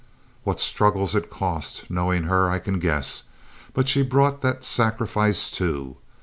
What struggles it cost, knowing her, I can guess; but she brought that sacrifice too.